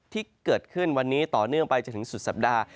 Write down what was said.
ที่เกิดขึ้นวันนี้ต่อเนื่องไปจนถึงสุดสัปดาห์